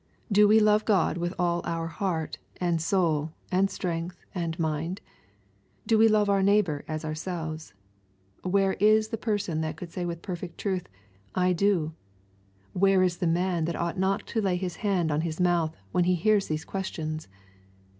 Do we love Gkxi with all our heart, and soul, and strength, and mind ? Do we love our neighbor as ourselves ? Where is the per son that could say with perfect truth, " I do ?" Where is the man that ought not to lay his hand on his mouth, when he hears these questions